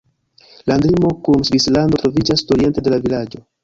Landlimo kun Svislando troviĝas sudoriente de la vilaĝo.